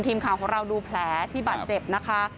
ทีมข่าวของเราดูแผลที่บาดเจ็บนะคะ